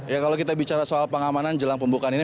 ya kalau kita bicara soal pengamanan jelang pembukaan ini